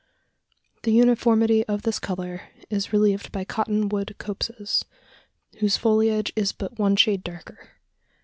The uniformity of this colour is relieved by cotton wood copses, whose foliage is but one shade darker.